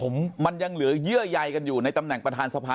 ผมมันยังเหลือเยื่อใยกันอยู่ในตำแหน่งประธานสภา